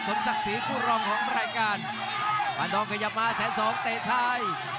สนศักดิ์สีผู้รองของรายการปานทองขยับมาแชนสองเตะทาย